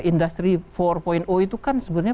industri empat itu kan sebenarnya